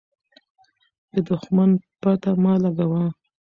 د دښمن پته مه لګوه.